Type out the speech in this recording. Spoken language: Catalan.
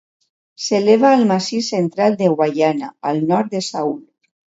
S'eleva al Massís Central de Guaiana al nord de Saül.